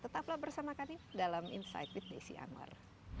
tetaplah bersama kami dalam insight with desi anwar